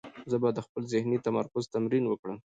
زه به د خپل ذهني تمرکز تمرین وکړم.